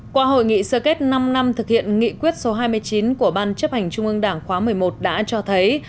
qua hội nghị sơ kết năm năm thực hiện nghị quyết số hai mươi chín của ban chấp hành trung ương đảng khóa một mươi một đã cho thấy